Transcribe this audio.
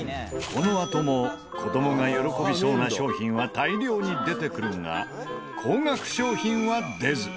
このあとも子供が喜びそうな商品は大量に出てくるが高額商品は出ず。